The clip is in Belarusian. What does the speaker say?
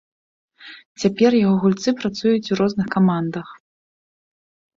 Цяпер яго гульцы працуюць у розных камандах.